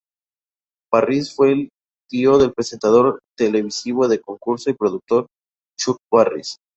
Barris fue tío del presentador televisivo de concursos y productor Chuck Barris.